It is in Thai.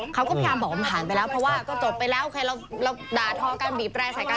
เขาก็พยายามบอกว่ามันผ่านไปแล้วเพราะว่าก็จบไปแล้วใครเราด่าทอการบีบแปรใส่กัน